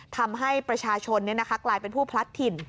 ทำให้ประชาชนเนี่ยนะคะกลายเป็นผู้พลัดถิ่น